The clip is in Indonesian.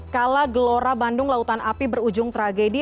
kala gelora bandung lautan api berujung tragedi